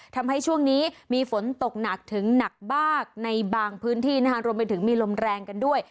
ทำให้ช่วงนี้มีฝนตกหนักถึงหนักมากในบางพื้นที่นะคะรวมไปถึงมีลมแรงกันด้วย